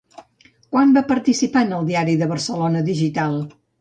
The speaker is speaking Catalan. Quan va participar en el Diari de Barcelona Digital?